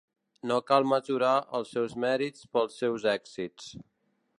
No cal mesurar els seus mèrits pels seus èxits.